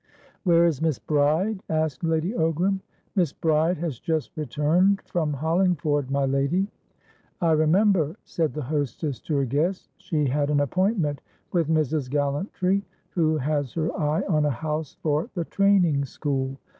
"Where is Miss Bride?" asked Lady Ogram. "Miss Bride has just returned from Hollingford, my lady." "I remember," said the hostess to her guest. "She had an appointment with Mrs. Gallantry, who has her eye on a house for the training school.